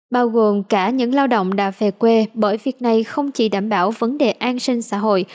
bao gồm cả những lao động đã về quê bởi việc này không chỉ đảm bảo vấn đề an sinh xã hội